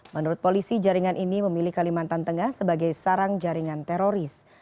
menurut polisi jaringan ini memilih kalimantan tengah sebagai sarang jaringan teroris